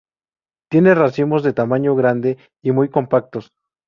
Tiene racimos de tamaño grande y muy compactos.